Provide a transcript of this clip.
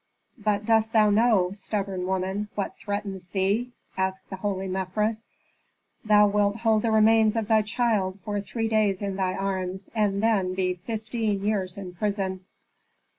"But dost thou know, stubborn woman, what threatens thee?" asked the holy Mefres. "Thou wilt hold the remains of thy child for three days in thy arms, and then be fifteen years in prison."